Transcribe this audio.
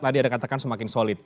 tadi anda katakan semakin solidnya